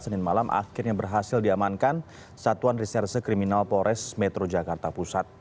senin malam akhirnya berhasil diamankan satuan reserse kriminal polres metro jakarta pusat